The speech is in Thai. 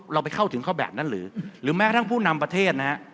เราไปเข้าถึงเขาแบบนั้นหรือหรือแม้กระทั่งผู้นำประเทศนะฮะ